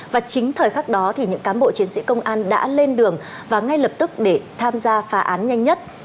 và chính thời khắc đó thì những cán bộ chiến sĩ công an đã lên đường và ngay lập tức để tham gia phá án nhanh nhất